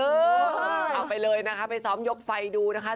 เอาไปเลยนะคะไปซ้อมยกไฟดูนะคะ